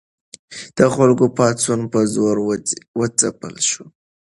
د خلکو پاڅون په زور وځپل شو.